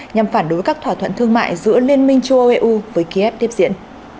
nhằm phản đối các thỏa thuận thương mại giữa liên minh châu âu eu với kiev tiếp diễn